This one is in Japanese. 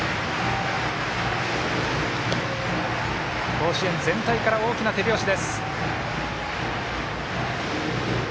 甲子園全体から大きな手拍子。